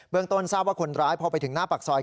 ต้นทราบว่าคนร้ายพอไปถึงหน้าปากซอย